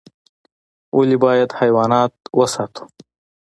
ولي بايد حيوانات وساتو؟